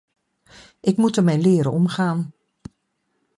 Ik moet ermee leren omgaan.